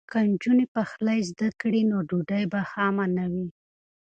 که نجونې پخلی زده کړي نو ډوډۍ به خامه نه وي.